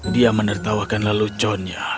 dia menertawakan leluconnya